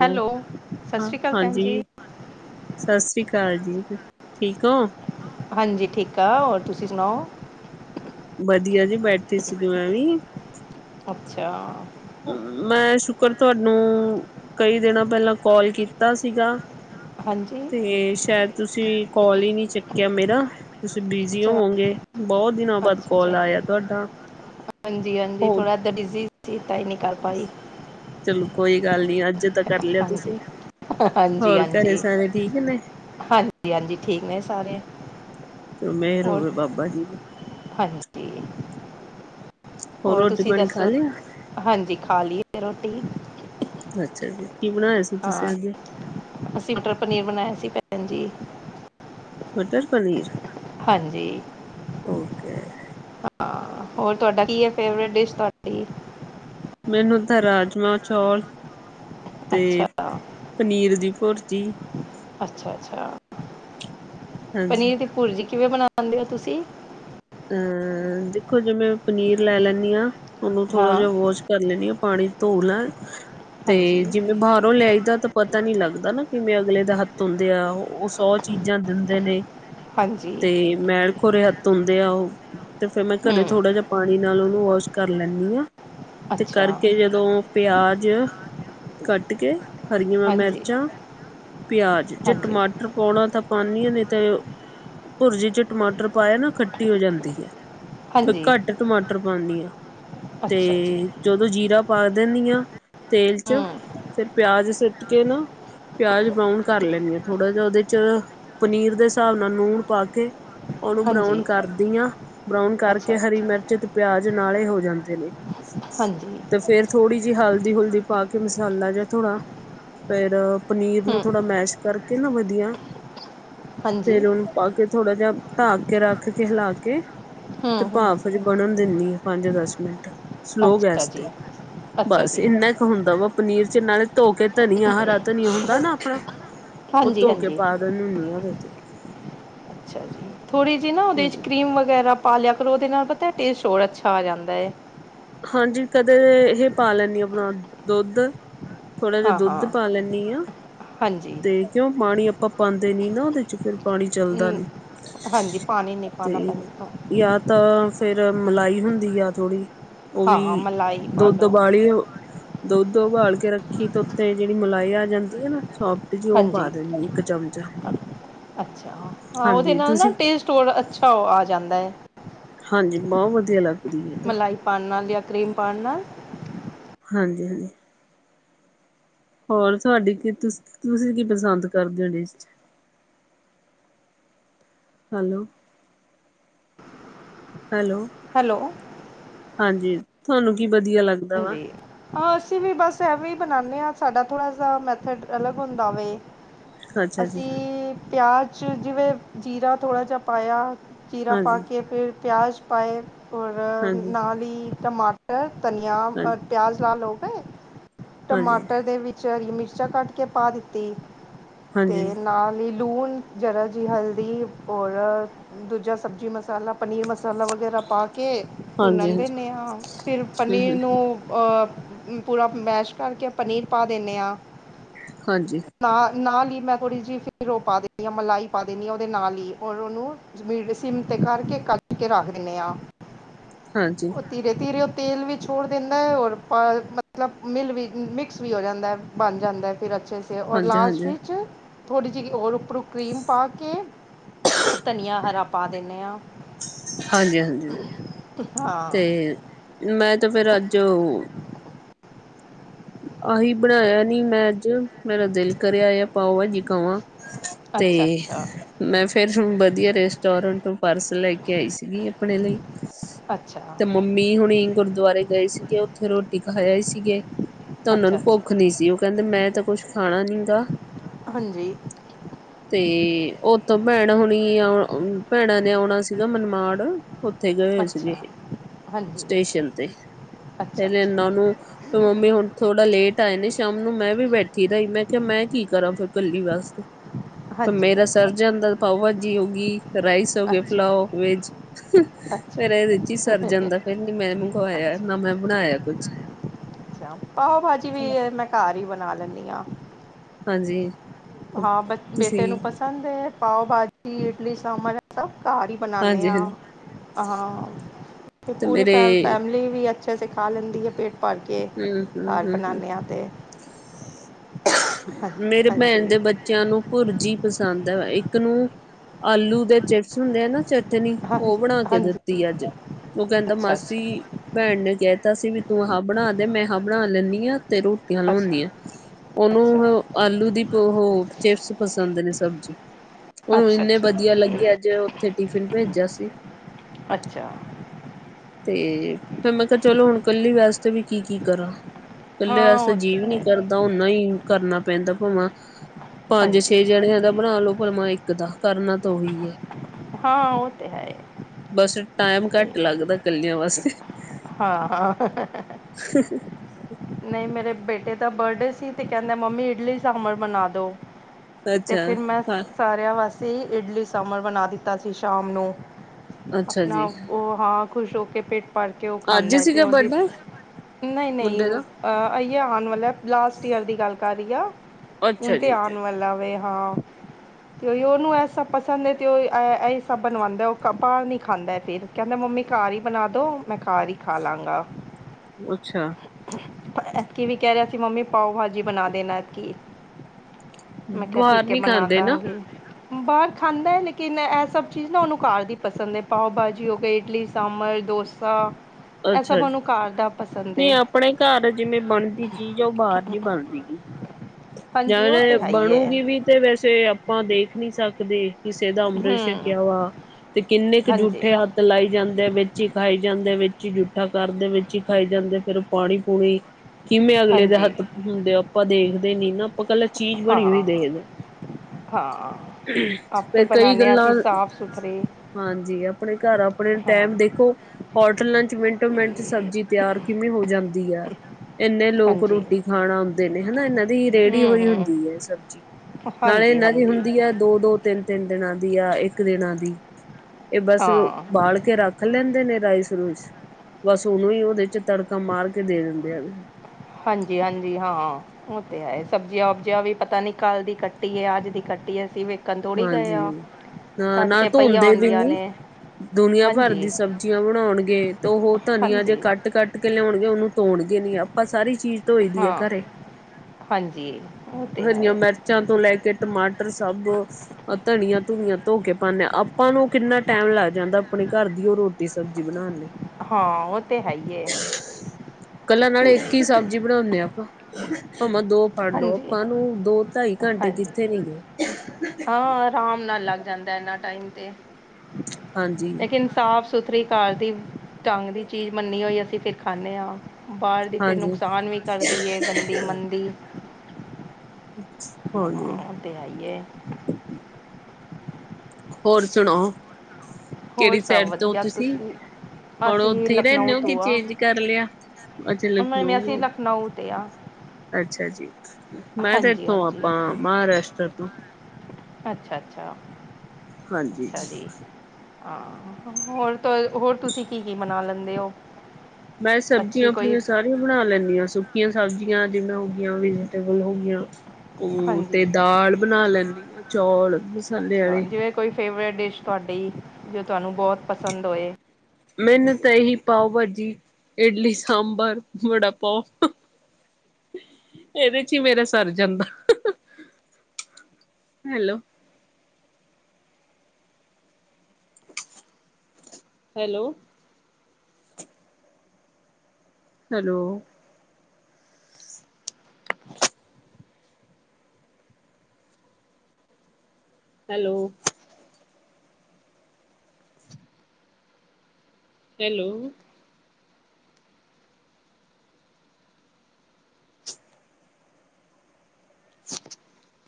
Hello, ਸਤਿ ਹਾਂ ਸ਼੍ਰੀ ਅਕਾਲ ਭੈਣ ਹਾਂਜੀ ਜੀ ਸਤਿ ਸ੍ਰੀ ਅਕਾਲ ਜੀ ਠੀਕ ਔ। ਹਾਂਜੀ ਠੀਕ ਆ, ਹੋਰ ਤੁਸੀਂ ਸੁਣਾਓ। ਵਧੀਆ ਜੀ ਬੈਠੀ ਸੀਗੀ ਮੈਂ ਵੀ। ਅੱਛਾ। ਮੈਂ ਸ਼ੁਕਰ ਤੁਹਾਨੂੰ ਕਈ ਦਿਨਾਂ ਪਹਿਲਾਂ ਕਾੱਲ ਕੀਤਾ ਸੀਗਾ। ਹਾਂਜੀ ਤੇ ਸ਼ਾਇਦ ਤੁਸੀਂ ਕੋਲ ਈ ਨਹੀਂ ਚੁੱਕਆ ਮੇਰਾ, ਤੁਸੀਂ ਬਿਜੀ ਹੋਵੋਂਗੇ, ਬਹੁਤ ਦਿਨਾਂ ਬਾਅਦ ਅੱਛਾ-ਅੱਛਾ, ਕਾਲ ਆਇਆ ਤੁਹਾਡਾ ਹਾਂਜੀ-ਹਾਂਜੀ ਹੋਰ ਥੋੜਾ ਜਾ ਬਿਜੀ ਸੀ, ਤਾਂ ਹੀ ਨਹੀਂ ਕਰ ਪਾਈ। ਚਲੋ ਕੋਈ ਗੱਲ ਨੀ ਅੱਜ ਤਾਂ ਕਰ ਲਿਆ ਤੁਸੀਂ। ਹੋਰ ਘਰੇ ਸਾਰੇ ਠੀਕ ਨੇ ਹਾਂਜੀ-ਹਾਂਜੀ-ਹਾਂਜੀ-ਹਾਂਜੀ ਠੀਕ ਨੇ ਸਾਰੇ ਫ ਮੇਰ ਹੋਰ ਹੋਵੇ ਬਾਬਾ ਜੀ। ਹਾਂਜੀ। ਹੋਰ ਰੋਟੀ ਤੁਸੀਂ ਪਾਣੀ ਖਾ ਦੱਸੋ ਲਿਆ ਹਾਂਜੀ ਖਾ ਲਈ ਰੋਟੀ। ਅੱਛਾ ਜੀ। ਕੀ ਬਣਾਇਆ ਸੀ ਹਾਂ ਤੁਸੀਂ ਅੱਜ? ਅਸੀਂ ਮਟਰ-ਪਨੀਰ ਬਣਾਇਆ ਸੀ ਭੈਣ ਜੀ। ਮਟਰ-ਪਨੀਰ। ਹਾਂਜੀ। ਹਾਂ। ਹੋਰ ਤੁਹਾਡਾ ਕੀ ਏ ਫੇਵਰੇਟ ਡਿਸ਼ ਤੁਹਾਡੀ? ਮੈਨੂੰ ਤਾਂ ਰਾਜਮਾਂ-ਚੌਲ ਤੇ ਅੱਛਾ ਪਨੀਰ ਦੀ ਪੁਰਜੀ‌ ਅੱਛਾ-ਅੱਛਾ ਹਾਂਜੀ ਪਨੀਰ ਦੀ ਪੁਰਜੀ ਕਿਵੇਂ ਬਣਾਦੇ ਓ ਤੁਸੀਂ? ਅਹ ਦੇਖੋ ਜਿਵੇਂ ਪਨੀਰ ਲੈ ਲੈਂਣੀ ਹਾਂ ਉਹਨੂੰ ਥੋੜ੍ਹਾ ਹਾਂ ਜਿਹਾ ਵੋਸ਼ ਕਰ ਲੈਣੀ ਆਂ, ਪਾਣੀ ਧੋ ਲੈ ਤੇ ਹਾਂਜੀ ਜਿਵੇਂ ਬਾਹਰੋਂ ਲਿਆਈਦਾ, ਤਾਂ ਪਤਾ ਨਹੀਂ ਲੱਗਦਾ ਨਾ ਕਿਵੇਂ ਅਗਲੇ ਦੇ ਹੱਥ ਹੁੰਦੇ ਆ, ਉਹ ਸੌ ਚੀਜ਼ਾਂ ਦਿੰਦੇ ਨੇ। ਹਾਂਜੀ ਤੇ ਮੈਲ ਖੋਰੇ ਹੱਥ ਹੁੰਦੇ ਆ ਉਹ, ਤੇ ਫਿਰ ਮੈਂ ਘਰੇ ਥੋੜ੍ਹਾ ਹੂੰ ਜਾ ਪਾਣੀ ਨਾਲ ਉਹਨੂੰ ਵੋਸ਼ ਕਰ ਲੈਨੀ ਆਂ, ਤੇ ਅੱਛਾ ਕਰਕੇ ਜੇ ਦੋ ਪਿਆਜ ਕੱਟ ਕੇ ਹਰੀਆਂ ਹਾਂਜੀ ਮਿਰਚਾਂ, ਪਿਆਜ, ਜੇ ਹਾਂਜੀ ਟਮਾਟ ਟਰ ਪਾਉਣਾ ਤਾਂ ਪਾਨੀ ਆਂ, ਨਹੀਂ ਤੇ ਭੁਰਜੀ ਚ ਟਮਾਟਰ ਪਾਇਆ ਨਾ ਖੱ ਖੱਟੀ ਹੋ ਜਾਂਦੀ ਐ, ਫਿਰ ਹਾਂਜੀ ਘੱਟ ਟਮਾਟਰ ਪਾਂਦੀ ਹਾਂ, ਤੇ ਅੱਛਾ ਜੀ ਜਦੋਂ ਜੀਰਾ ਪਾ ਦਿੰਨੀ ਹਾਂ ਤੇਲ ਚ, ਹੂੰ ਫਿਰ ਪਿਆਜ਼ ਸੁੱਟ ਕੇ ਨਾ ਪਿਆਜ ਬਰਾਊਨ ਕਰ ਲੈਨੀ ਆਂ ਥੋੜ੍ਹਾ ਜਾ ਉਹਦੇ ਚ। ਪਨੀਰ ਦੇ ਹਿਸਾਬ ਨਾਲ ਨੂਣ ਪਾ ਕੇ ਉਹਨੂੰ ਬਰਾਊਨ ਹਾਂਜੀ ਕਰਦੀ ਆਂ, ਬਰਾਊਨ ਕਰਕੇ ਅੱਛਾ ਹਰੀ ਮਿਰਚ ਤੇ ਪਿਆਜ ਨਾਲੇ ਹੋ ਜਾਂਦੇ ਨੇ। [unintelligible] ਹਾਂਜੀ ਤੇ ਫੇਰ ਥੋੜ੍ਹੀ ਜਿਹੀ ਹਲਦੀ-ਹੁਲਦੀ ਪਾ ਕੇ ਮਸਾਲਾ ਜਿਹਾ ਥੋੜ੍ਹਾ, ਫੇਰ ਪਨੀਰ ਨੂੰ ਹੂੰ ਥੋੜ੍ਹਾ ਮੈਸ਼ ਕਰਕੇ ਨਾ ਵਧੀਆ, ਹਾਂਜੀ ਫਿਰ ਉਹਨੂੰ ਪਾ ਕੇ ਥੋੜਾ ਜਿਹਾ ਢੱਕ ਕੇ, ਰੱਖ ਕੇ, ਹਿਲਾ ਕੇ, ਤੇ ਹੂੰ ਹੂੰ ਭਾਫ਼ ਬਣਨ ਦਿੰਨੀ ਆ ਪੰਜ ਦਸ ਮਿੰਟ, ਸਲੋਅ ਅੱਛਾ ਗੈਸ ਤੇ। ਜੀ ਅੱਛਾ ਬਸ ਜੀ ਇੰਨਾ ਕ ਹੁੰਦਾ ਵਾ ਪਨੀਰ ਚ, ਨਾਲੇ ਧੋ ਕੇ ਧਨੀਆ ਹਰਾ ਧਨੀਆ ਹੁੰਦਾ ਨਾ ਆਪਣਾ ਉਹ ਧੋ ਹਾਂਜੀ-ਹਾਂਜੀ। [inaudible] ਅੱਛਾ ਜੀ। ਥੋੜ੍ਹੀ ਜੀ ਨਾ ਉਹਦੇ ਚ ਹਾਂਜੀ ਕਰੀਮ ਵਗੈਰਾ ਪਾ ਲਿਆ ਕਰੋ, ਉਹਦੇ ਨਾਲ ਪਤਾ ਟੇਸਟ ਹੋਰ ਅੱਛਾ ਆ ਜਾਂਦਾ ਏ। ਹਾਂਜੀ, ਕਦੇ ਇਹ ਪਾ ਲੈਂਦੀ ਆਪਣਾ ਦੁੱਧ। ਥੋੜਾ ਜਾ ਹਾਂ ਹਾਂ ਦੁੱਧ ਪਾ ਲੈਂਨੀ ਆਂ ਹਾਂਜੀ ਤੇ ਕਿਉਂ ਪਾਣੀ ਆਪਾਂ ਪਾਂਦੇ ਨੀ ਨਾ ਉਹਦੇ ਚ ਫੇਰ। ਪਾਣੀ ਚੱਲਦਾ ਹੂੰ, ਨੀ ਹਾਂਜੀ ਪਾਣੀ ਨਹੀਂ ਪਾਉਣਾ ਤੇ ਪੈਂਦਾ ਜਾ ਤਾਂ ਫੇਰ ਮਲਾਈ ਹੁੰਦੀ ਆ ਥੋੜ੍ਹੀ। ਉਹ ਹਾਂ ਵੀ ਹਾਂ ਮਲਾਈ ਪਾ ਦੁੱਧ ਲਓ ਬਾਲੀ ਹੋ ਦੁੱਧ ਉਬਾਲ ਕੇ ਰੱਖੀ, ਤੇ ਉੱਤੇ ਜਿਹੜੀ ਮਲਾਈ ਆ ਜਾਂਦੀ ਐ ਨਾ ਸੋਫਟ ਜਿਹੀ, ਉਹ ਪਾ ਹਾਂਜੀ ਦਿੰਨੀ ਆਂ ਇੱਕ ਚਮਚਾ। ਅੱਛਾ, ਹਾਂ ਉਹਦੇ ਹਾਂਜੀ ਨਾਲ ਨਾ ਤੁਸੀਂ ਟੇਸਟ ਹੋਰ ਅੱਛਾ ਆ ਜਾਂਦਾ ਐ। ਹਾਂਜੀ, ਬਹੁ ਵਧੀਆ ਲੱਗ ਮਲਾਈ ਪਾਣ ਨਾਲ ਜਾ ਕਰੀਮ ਪਾਣ ਨਾਲ। ਹਾਂਜੀ-ਹਾਂਜੀ। ਹੋਰ ਤੁਹਾਡੀ ਕੀ, ਤੁਸੀਂ ਕੀ ਪਸੰਦ ਕਰਦੇ ਹੋ ਡਿਸ਼ ਚ। ਹੈਲੋ। ਹੈਲੋ। ਹੈਲੋ। ਹਾਂਜੀ, ਥੋਨੂੰ ਕੀ ਵਧੀਆ ਲੱਗ ਹਾਂਜੀ। ਹਾਂ, ਅਸੀਂ ਵੀ ਬਸ ਐਵੇਂ ਹੀ ਬਣਾਣੇ ਆਂ, ਸਾਡਾ ਥੋੜ੍ਹਾ ਜਾ ਮੈਥਡ ਅਲੱਗ ਹੁੰਦਾ ਵੇ। ਅੱਛਾ ਜੀ ਅਸੀਂ ਪਿਆਜ ਚ ਜਿਵੇਂ ਜੀਰਾ ਥੋੜ੍ਹਾ ਜਾ ਪਾਇਆ ਜੀਰਾ ਪਾ ਹਾਂਜੀ ਕੇ ਫਿਰ ਪਿਆਜ਼ ਪਾਏ, ਔਰ ਹਾਂਜੀ ਨਾਲ ਹੀ ਟਮਾ ਟਰ ਧਨੀਆਂ, ਹਾਂਜੀ ਪਿਆਜ਼ ਲਾਲ ਹੋ ਗਏ, ਹਾਂਜੀ ਹਾਂਜੀ ਟਮਾਟਰ ਦੇ ਵਿੱ ਹਰੀਆਂ ਮਿਰਚਾਂ ਕੱਟ ਕੇ ਪਾ ਦਿੱਤੀ, ਹਾਂਜੀ ਤੇ ਨਾਲ ਹੀ ਲੂਣ ਜਰਾ ਜੀ ਹਲਦੀ, ਔਰ ਦੂਜਾ ਸਬਜ਼ੀ ਮਸਾਲਾ, ਪਨੀਰ ਮਸਾਲਾ ਵਗੈਰਾ ਪਾ ਕੇ ਹਾਂਜੀ ਭੁੰਨਣ ਹੂੰ ਦਿੰਨੇ ਆਂ, ਫਿਰ ਹੂੰ ਪਨੀਰ ਨੂੰ ਅ ਪੂਰਾ ਮੈਸ਼ ਕਰਕੇ ਪਨੀਰ ਪਾ ਦਿੰਨੇ ਆਂ। ਹਾਂਜੀ। ਨਾਲ-ਨਾਲ ਈ ਮੈਂ ਥੋੜ੍ਹੀ ਜੀ ਫਿਰ ਉਹ ਪਾ ਦੇਨੀ ਆਂ ਮਲਾਈ ਪਾ ਦੇਨੀ ਆਂ, ਉਹਦੇ ਨਾਲ ਹੀ ਔਰ ਉਹਨੂੰ ਜਿਵੇ ਕਿ ਸਿਮ ਤੇ ਕਰਕੇ ਕੱੱਝ ਕੇ ਰੱਖ ਦਿੰਦੇ ਹਾਂ। ਹਾਂਜੀ। ਔਹ ਧੀਰੇ ਧੀਰੇ ਔਹ ਤੇਲ ਵੀ ਛੋੜ ਦਿੰ ਹੋਰ ਮਤਲਬ ਮਿਲ ਵੀ ਮਿਕਸ ਵੀ ਹੋ ਜਾਂਦਾ ਬਣ ਜਾਂਦਾ ਫਿਰ ਅੱਛੇ ਤੇ ਹੋਰ, ਹਾਂਜੀ ਲਾਸਟ ਹਾਂਜੀ ਵਿੱਚ ਥੋੜ੍ਹੀ ਜਿਹੀ ਹੋਰ ਉਪਰੋਂ ਕ੍ਰੀਮ ਪਾ, ਕੇ ਔਰ ਧਨੀਆਂ ਹਰਾ ਪਾ ਦਿੰਨੇ ਹਾਂ। ਹਾਂਜੀ-ਹਾਂਜੀ ਹਾਂ ਤੇ ਮੈਂ ਤਾਂ ਫਿਰ ਅੱਜ ਔ ਆਹੀ ਬਣਾਇਆ ਨੀ ਮੈਂ ਅੱਜ, ਮੇਰਾ ਦਿਲ ਕਰਿਆਯਾ ਪਾਓ ਭਾਜੀ ਕਵਾਂ ਤੇ ਅੱਛਾ ਅੱਛਾ ਮੈਂ ਫਿਰ ਵਧੀਆ ਰੈਸਟੋਰੈਂਟ ਤੋਂ ਪਰਸ ਲੈ ਕੇ ਆਈ ਸੀਗੀ। ਆਪਣੇ ਲਈ ਅੱਛਾ ਤੇ ਮੰਮੀ ਮੀ ਹੁਣੀ ਗੁਰਦੁਆਰੇ ਗਏ ਸੀਗੇ ਉੱਥੇ ਰੋਟੀ ਖਾਏ ਸੀਗੇ। ਤਾਂ ਔਹਨਾਂ ਅੱਛਾ ਨੂੰ ਅੱਛਾ ਭੁੱਖ ਨੀ ਸੀ, ਉਹ ਕਹਿੰਦੇ ਮੈਂ ਤੇ ਕੁਛ ਖਾਣਾ ਨੀ ਗਾ। ਹਾਂਜੀ। [unintelligible] ਤੇ ਔਥੋਂ ਭੈਣ ਹੁਣੀ ਆ ਭੈਣਾਂ ਨੇ ਆਉਣਾ ਸੀਗਾ ਮਨਮਾੜ ਔਥੇ ਗਏ ਹੋਏ ਅੱਛਾ ਸੀਗੇ, ਹਾਂਜੀ ਸਟੇਸ਼ਨ ਤੇ, ਅੱਛਾ ਪਹਿਲੇ ਅੱਛਾ ਇਹਨਾਂ ਨੂੰ ਮੰਮੀ ਹੁਣ ਥੋੜਾ ਲੇਟ ਆਏ ਨੇ ਸ਼ਾਮ ਨੂੰ, ਮੈਂ ਵੀ ਬੈਠੀ ਰਹੀ ਮੈਂ ਕਿਹਾ ਮੈਂ ਕੀ ਕਰਾਂ ਫਿਰ ਇਕੱਲੀ ਵਾਸਤੇ [inaudible] ਮੇਰਾ ਹਾਂਜੀ ਸਰ ਜਾਂਣਦਾ ਪਾਓ ਭਾਜੀ ਹੋ ਗਈ, ਰਾਈਸ ਹੋ ਗਏ, ਅੱਛਾ ਪਲਾਓ ਵੇਜ ਅੱਛਾ ਫੇਰ ਇਹਦੇ ਚ ਹੀ ਸਰ ਜਾਂਦਾ, ਫੇਰ ਨੀ ਮੈਂ ਮੰਗਵਾਇਆ ਨਾ ਅੱਛਾ ਮੈਂ ਬਣਾਇਆ ਕੁਝ। ਅੱਛਾ ਪਾਓ ਭਾਜੀ ਵੀ ਮੈਂ ਘਰ ਹੀ ਬਣਾ ਲੈਂਦੀ ਹਾਂ। ਹਾਂਜੀ। ਹਾਂ ਬ ਬੇਟੇ ਨੂੰ ਤੁਸੀਂ ਪਸੰਦ ਹੈ ਪਾਓ ਭਾਜੀ ਇਡਲੀ ਸਾਮਾਨ ਸਭ ਕਾਰੀ ਬਣਾਉਂਦੇ ਹਾਂਜੀ ਹਾਂ, ਹਾਂਜੀ ਹਾਂ ਅਤੇ ਤੇ ਪੂਰੀ ਮੇਰੇ ਫੈਮਿਲੀ ਵੀ ਆ! ਅੱਛੇ ਸੇ, ਖਾ ਲੈਂਦੀ ਹੈ ਪੇਟ ਭਾਰ ਕੇ, ਹਮ ਹਮ ਘਰ ਹਮ ਹਮ ਬਣਾਏ ਆਤੇ ਮੇਰੇ ਭੈਣ ਹਾਂਜੀ ਦੇ ਬੱਚਿਆਂ ਨੂੰ ਭੁਰਜੀ ਪਸੰਦ ਹੈ ਇੱਕ ਨੂੰ ਆਲੂ ਦੇ ਚਿਪਸ ਹੁੰਦੇ ਆ ਨਾ ਤੇ ਨੀ ਉਹ ਹਾਂਜੀ ਬਣਾ ਕੇ ਹਾਂਜੀ ਦਿੱਤੀ ਅੱਜ ਔਹ ਕਹਿੰਦਾ ਅੱਛਾ ਮਾਸੀ ਅੱਛਾ ਭੈਣ ਨੇ ਕਹਿ ਤਾ ਸੀ ਵੀ ਤੂੰ ਆਹ ਬਣਾ ਦੇ ਮੈਂ ਹਾਂ ਬਣਾ ਲੈਂਦੀ ਹਾਂ ਤੇ ਰੋਟੀਆਂ ਅੱਛਾ ਲਾਉਂਦੀ ਆ। ਅੱਛਾ ਔਨੂੰ ਆਲੂ ਦੀ ਔਹ ਚਿਪਸ ਪਸੰਦ ਨੇ ਸਬਜ਼ੀ ਅੱਛਾ ਔਨੂੰ ਇੰਨੇ ਅੱਛਾ ਵਧੀਆ ਲੱਗੇ ਜੇ ਉੱਥੇ ਟਿਫਿਨ ਭੇਜਿਆ ਸੀ। ਅੱਛਾ। ਤੇ ਫਿਰ ਮੈਂ ਕਿਹਾ ਚਲੋ ਹੁਣ ਕੱਲੀ ਵਾਸਤੇ ਵੀ ਕੀ ਕੀ ਕਰਾਂ। ਕੱਲੇ ਹਾਂ ਅਸ ਉਹ ਤਾਂ ਅਜੀਬ ਨਹੀਂ ਹੈ ਕਰਦੇ। ਇਨਾ ਹੀ ਕਰਨਾ ਪੈਂਦਾ ਭਾਵਾਂ ਪੰਜ ਹਾਂਜੀ ਛੇ ਜਣਿਆਂ ਦਾ ਬਣਾ ਲੋ, ਭਵਾ ਇੱਕ ਦਾ ਕਰਨਾ ਤਾਂ ਓਹੀ ਐ। ਹਾਂ ਔਹ ਤੇ ਹੈ। ਬਸ ਟੈਮ ਸਹੀ ਘੱਟ ਗੱਲ ਲੱਗਦਾ ਕੱਲਿਆਂ ਵਾਸਤੇ ਹਾਂ ਹਾਂ ਹਹ ਹ - ਨਹੀਂ ਮੇਰੇ ਬੇਟੇ ਦਾ ਬਰਡੇ ਸੀ ਤੇ ਕੈੰਦਾ ਮੰਮੀ ਇਡਲੀ ਸਾਂਬਰ ਬਣਾ ਦੋ। ਤੇ ਅੱਛਾ ਫਿਰ ਮੈਂ ਹਾਂ ਸਾਰਿਆਂ ਵਾਸਤੇ ਇਡਲੀ ਸਾਮਰ ਬਣਾ ਦਿੱਤਾ ਸੀ ਸ਼ਾਮ ਨੂੰ ਅੱਛਾ ਜੀ ਆਪਣਾ ਓ ਹਾਂ ਖੁਸ਼ ਹੋ ਕੇ ਪੇਟ ਪੜ ਕੇ ਔਹ ਅੱਜ ਖਾਂਦਾ ਹੈ, ਫਿਰ ਸੀਗਾ ਉਹਦੀ ਬਰਡੇ ਨਹੀਂ ਨਹੀਂ। ਮੁੰਡੇ ਦਾ ਆਈਏ ਆਂਣ ਵਾਲਾ ਲਾਸਟ ਈਅਰ ਦੀ ਗੱਲ ਕਰ ਰਹੀ ਆ, ਹੁਣ ਅੱਛਾ ਤਾਂ ਜੀ ਆਂਣ ਵਾਲਾ ਵ ਹਾਂ, ਤੇ ਉਈ ਉਹਨੂੰ ਐ ਸਭ ਪਸੰਦ ਹੈ ਅਤੇ ਔਹ ਇਹ ਸਭ ਬਣਵਾਉਂਦਾ ਉਹ ਬਾਹਰ ਨਹੀਂ ਖਾਂਦਾ ਫਿਰ ਕਹਿੰਦਾ ਮੰਮੀ ਘਰ ਹੀ ਬਣਾ ਦਿਉ। ਮੈਂ ਘਾਰਹ ਹੀ ਖਾ ਲਾਂਗਾ। ਅੱਛਾ। ਐਤਕੀ ਵੀ ਕੈਰਿਹਾ ਸੀ ਮੰਮੀ ਪਾਓ ਭਾਜੀ ਬਣਾ ਦੇਣਾ ਐਤਕੀ। ਮੈਂ ਕਿਹਾ ਬਾਹਰ ਠੀਕ ਹੈ ਨੀ ਬਣਾ ਖਾਂਦੇ ਨਾ। ਦਾਂਗੀ ਬਾਹਰ ਖਾਂਦਾ ਹੈ ਲੇਕਿਨ ਇਹ ਸਭ ਚੀਜ਼ ਨਾ ਉਹਨੂੰ ਘਰ ਦੀ ਪਸੰਦ ਹੈ ਪਾਓ ਭਾਜੀ ਹੋ ਗਈ ਇਡਲੀ ਸਾਂਭਰ ਦੋਸਾ। ਐਸ ਅੱਛਾ ਜੀ ਮਨੂੰ ਘ ਦਾ [unintelligible] ਨਹੀਂ ਆਪਣੇ ਘਰ ਜਿਵੇਂ ਬਣਦੀ ਚੀਜ਼ ਆ ਔਹ ਬਾਹਰ ਨੀ ਬਣਦੀ ਗੀ। ਜਾਂ ਹਾਂਜੀ ਉਹ ਇਹਨੇ ਤਾਂ ਹੈ ਹੀ ਹੈ ਬਣੂਗੀ ਵੀ ਤੇ ਵੈਸੇ ਆਪਾਂ ਦੇਖ ਨੀ ਸਕਦੇ ਕਿਸੇ ਦਾ ਅੰਮ੍ਰਿਤ ਹੂੰ ਛਕਿਆ ਵਾ, ਤੇ ਕਿੰਨੇ ਕੁ ਹਾਂਜੀ ਜੂਠੇ ਹੱਥ ਤਲਾਈ ਜਾਂਦੇ ਵਿੱਚ ਹੀ ਖਾਈ ਜਾਂਦੇ ਵਿੱਚ ਹੀ ਜੂਠਾ ਕਰਦੇ ਵਿੱਚ ਹੀ ਖਾਈ ਜਾਂਦੇ ਫਿਰ ਪਾਣੀ ਪੂਣੀ ਕਿਵੇਂ ਅਗਲੇ ਦੇ ਹਾਂਜੀ ਹੱਥ ਹੁੰਦੇ ਆਪਾਂ ਦੇਖਦੇ ਨੀ ਨਾ ਆਪਾਂ ਕੱਲਾ ਚੀਜ਼ ਹਾਂ ਬਣੀ ਹੋਈ ਦੇਖਦੇ। ਹਾਂ ਆਪੇ ਫੇ ਕਈ ਬਣਾਉਂਦੇ ਹਾਂ ਗੱਲਾਂ ਅਸੀਂ ਸਾਫ ਸੁਥਰੇ ਹਾਂਜੀ ਆਪਣੇ ਘਰ ਆਪਣੇ ਹਾਂ ਟਾਈਮ ਦੇਖੋ। ਹੋਟਲਾਂ ਚ ਮਿੰਟੋ- ਮਿੰਟ ਸਬਜ਼ੀ ਕਿਵੇਂ ਤਿਆਰ ਹੋ ਜਾਂਦੀ ਐ? ਇੰਨੇ ਲੋਕ ਹਾਂਜੀ ਰੋਟੀ ਖਾਣਾ ਆਉਂਦੇ ਨੇ ਹਨਾ ਇਹਨਾਂ ਦੀ ਰੇਹੜੀ ਹਮ ਹੋਈ ਹਮ ਹੁੰਦੀ ਹੈ। ਸਬਜ਼ੀ ਨਾਲੇ ਹਾਂਜੀ ਇਹਨਾਂ ਦੀ ਹਾਂਜੀ ਹੁੰਦੀ ਆ। ਦੋ ਦੋ ਤਿੰਨ ਤਿੰਨ ਦਿਨਾਂ ਦੀ ਆ ਇੱਕ ਦਿਨਾਂ ਦੀ, ਇਹ ਬਸ ਹਾਂ ਬਾਲ ਕੇ ਰੱਖ ਲੈਂਦੇ ਲੈਂਦੇ ਨੇ ਰਾਈਸ ਰੂਈਸ, ਬਸ ਉਹਨੂੰ ਹੀ ਉਹਦੇ ਚ ਤੜਕਾ ਮਾਰ ਕੇ ਦੇ ਦਿੰਦੇ ਆ ਹਾਂਜੀ ਹਾਂਜੀ ਹਾਂ। ਓ ਤੇ ਹੈ ਸਬਜ਼ੀਆਂ ਉਬਜੀਆਂ ਵੀ ਪਤਾ ਨੀ ਕੱਲ ਦੀ ਕੱਟੀ ਐ, ਅੱਜ ਦੀ ਕੱਟੀ ਐ ਅਸੀਂ ਵਖ ਹਾਂਜੀ, ਨਾਲ ਨਾ ਕੇ ਪਈਆਂ ਧੋਂਦੇ ਵੀ ਆਉਂਦੀਆਂ ਨੀ ਨੇ ਦੁਨੀਆਂ ਭਰ ਦੀ ਹਾਂਜੀ ਸਬਜ਼ ਬਣਾਉਣਗੇ ਤੇ ਉਹ ਧਨੀਆ ਜੇ ਹਾਂਜੀ ਕੱਟ ਕੱਟ ਕੇ ਲਿਆਉਣਗੇ ਉਹਨੂੰ ਤੋਣਗੇ ਨੀ, ਆਪਾਂ ਸਾਰੀ ਚੀਜ਼ ਧੋਈ ਦੀ ਹੈ ਹਾਂ ਘਰੇ, ਹਾਂਜੀ ਉਹ ਤੇ ਹਰੀਆਂ ਹੈ ਮਿਰਚ ੱਚਾਂ ਤੋਂ ਲੈ ਕੇ ਟਮਾਟਰ ਸਭ ਧਨੀਆ-ਧੁਨੀਆ ਧੋ ਕੇ ਪਾਂਨੇ ਆਂ ਆਪਾਂ ਨੂੰ ਕਿੰਨਾ ਟੈਮ ਲੱਗ ਜਾਂਦਾ ਆਪਣੇ ਘਰ ਦੀ ਓ ਰੋਟੀ ਰੋਟੀ ਸਬਜ਼ੀ ਬਣਾਉਣ ਲਈ। ਹਾਂ ਓ ਤੇ ਹੈ ਹੀਏ ਕੀ ਸਬਜ਼ੀ ਬਣਾਉਂਦੇ ਹ ਆਪਾਂ। ਭਵਾਂ ਦੋ ਫੜ ਲੋ ਹਾਂਜੀ ਆਪਾਂ ਨੂੰ ਦੋ ਢਾਈ ਘੰਟੇ ਹਾਂਜੀ ਕਿੱਥੇ ਨੀ ਗਏ ਹਾਂ ਆਰਾਮ ਨਾਲ ਲੱਗ ਜਾਂਦਾ, ਇਹਨਾਂ ਟਾਈਮ ਤੇ ਹਾਂਜੀ ਲੇਕਿਨ ਸਾਫ ਸੁਥਰੀ ਘਰ ਦੀ ਢੰਗ ਦੀ ਚੀਜ਼ ਬਨੀ ਹੋਈ, ਅਸੀਂ ਫਿਰ ਖਾਂਦੇ ਹਾ ਬਾਹਰ ਦੀ ਫਿਰ ਹਾਂਜੀ ਨੁਕਸਾਨ ਵੀ ਕਰਦੀ ਹੈ ਗੰਦੀ ਮੰਦੀ। ਅ ਹਾਂਜੀ। ੳਹ ਤੇ ਹੈ ਈ ਏ ਹੋਰ ਸੁਣਾਓ, ਹੋਰ ਕਿਹੜੀ ਸਭ ਸਾਈਡ ਤੋਂ ਵਧੀਆ ਤੁਸੀਂ ਹੁਣ ਅਸੀਂ ਉੱਥੇ ਹੀ ਰਹਿੰਦੇ ਲਖਨਊ ਹੋ ਕਿ ਤੋਂ ਹਾਂ ਚੇਂਜ ਕਰ ਲਿਆ, ਨਹੀਂ ਅਸੀਂ ਅਛਾ ਲਖਨਊ 'ਤੇ ਹਾਂ ਅੱਛਾ ਜੀ, ਮੈਂ ਤੇ ਹਾਂਜੀ ਇਥੋਂ ਹਾਂਜੀ ਆਪਾਂ ਮਹਾਰਾਸ਼ਟਰ ਤੋਂ ਅੱਛਾ ਅੱਛਾ। ਹਾਂਜੀ। ਅੱਛਾ ਜੀ, ਹਾਂ ਹੋਰ-ਹੋਰ ਤੁਸੀਂ ਕੀ-ਕੀ ਬਨਾ ਲੈਂਦੇ ਓ। ਮੈਂ ਸਬਜ਼ੀਆਂ ਆਪਣੀਆਂ ਸਾਰ ਬਣਾ ਲੈਂਦੀ ਹਾਂ ਸੁੱਕੀਆਂ ਸਬਜ਼ੀਆਂ ਜਿਵੇਂ ਹੋ ਗਿਆਂ ਵਜੀਟੇਬਲ ਹੋ ਗਿਆਂ- ਉਹ ਤੇ ਹਾਂਜੀ ਦਾਲ ਬਣਾ ਲੈਂਦੀ ਹਾਂ ਚੌਲ ਮਸਾਲੇ ਅੱਛਾ ਆਲੇ। ਜਿਵੇਂ ਕੋਈ ਫੇਵਰੇਟ ਡਿਸ਼ ਤੁਆਡੀ ਜੋ ਤੁਹਾਨੂੰ ਬਹੁਤ ਪਸੰਦ ਹੋਏ। ਮੈਨੂੰ ਤਾਂ ਇਹੀ ਪਾਓ ਭਾਜੀ ਇਡਲੀ ਸਾਬਾਰ, ਵੜਾ ਪਾਞ ਏਦੇ ਚ ਈ ਮੇਰਾ ਸਰ ਜਾਂਦਾ। Hello hello. Hello. Hello hello. [inaudible]